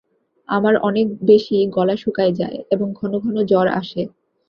আমার অনেক বেশি গলা শুকায় যায় এবং ঘন ঘন জ্বর আসে।